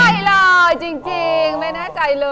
ไม่แน่ใจเลยจริงไม่แน่ใจเลย